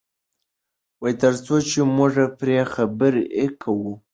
تر څو چې موږ پرې خبرې کوو.